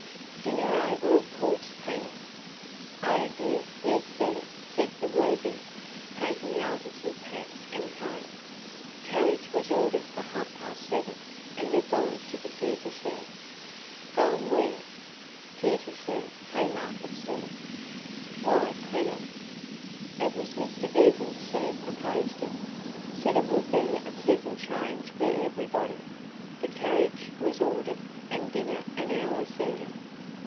"Dinner over, of course, Preenham?" "Oh, dear, yes, sir," said that worthy, taking Artis's hat and cane. "Carriage was ordered for half past seven, and they've gone to the theatre, sir." "Gone where?" "Theatre, sir Haymarket, sir." "Why, Preenham " "It was Mr Girtle, sir, proposed it. Said it would be a pleasant change for everybody. The carriage was ordered, and dinner an hour sooner."